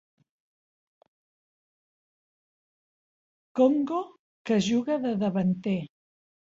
Congo que juga de davanter.